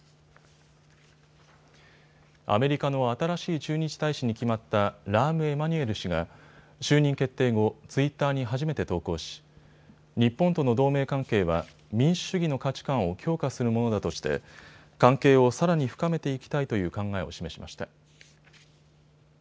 アメリカの新しい駐日大使に決まったラーム・エマニュエル氏が就任決定後、ツイッターに初めて投稿し日本との同盟関係は民主主義の価値観を強化するものだとして関係をさらに深めていきたいという考えを示しました。